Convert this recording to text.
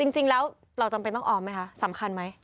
จริงแล้วเราจำเป็นต้องออมไหมคะสำคัญไหม